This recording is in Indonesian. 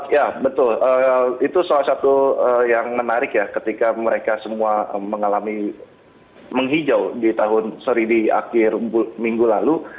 ya betul itu salah satu yang menarik ya ketika mereka semua mengalami menghijau di tahun sorry di akhir minggu lalu